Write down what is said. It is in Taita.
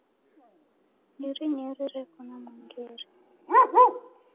Nyerinyeri reko na mwengere.